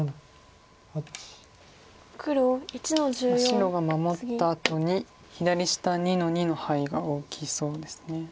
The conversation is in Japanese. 白が守ったあとに左下２の二のハイが大きそうです。